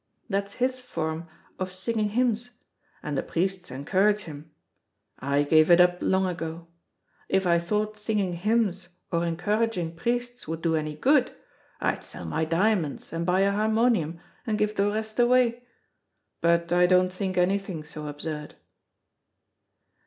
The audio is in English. That's his form of singing hymns, and the priests encourage him. I gave it up long ago. If I thought singing hymns or encouraging priests would do any good, I'd sell my diamonds and buy a harmonium, and give the rest away. But I don't think anything so absurd."